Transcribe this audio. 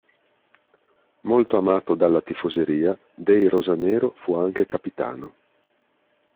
Molto amato dalla tifoseria, dei rosanero fu anche capitano.